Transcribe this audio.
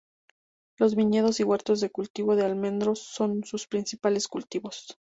Los viñedos y huertos de cultivo de almendros son sus principales cultivos.